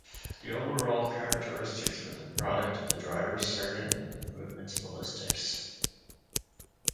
The overall characteristics were the product of the driver circuit and the movement's ballistics.